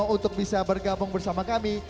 untuk bisa bergabung bersama kami